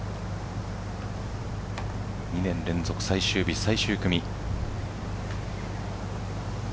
２年連続最終日、最終組。